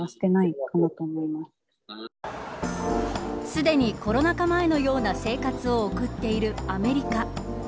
すでにコロナ禍前のような生活を送っているアメリカ。